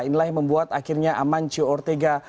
inilah yang membuat akhirnya amancio ortega